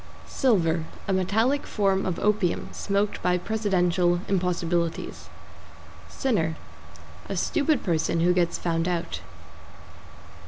=SILVER= A metallic form of opium, smoked by Presidential impossibilities. =SINNER= A stupid person who gets found out.